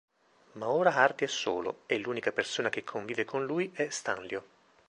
Ma ora Hardy è solo e l'unica persona che convive con lui è Stanlio.